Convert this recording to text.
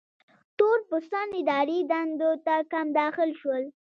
تور پوستان اداري دندو ته کم داخل شول.